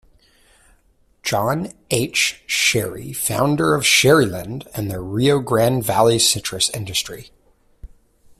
John H. Shary Founder of Sharyland and the Rio Grande Valley citrus industry.